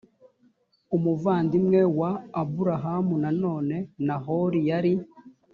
umuvandimwe wa aburahamu nanone nahori yari